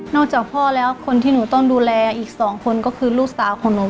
จากพ่อแล้วคนที่หนูต้องดูแลอีกสองคนก็คือลูกสาวของหนู